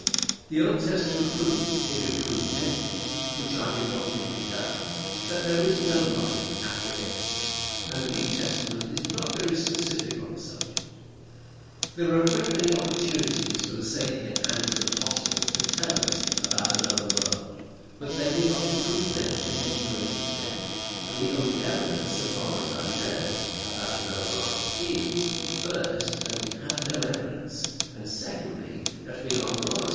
The Old Testament proves, if it proves anything which I do not think it does that there is no life after this; and the New Testament is not very specific on the subject. There were a great many opportunities for the Saviour and his apostles to tell us about another world, but they did not improve them to any great extent; and the only evidence, so far as I know, about another life is, first, that we have no evidence; and, secondly, that we are rather sorry that we have not, and wish we had. That is about my position.